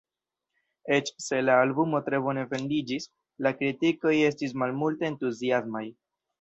Eĉ se la albumo tre bone vendiĝis, la kritikoj estis malmulte entuziasmaj.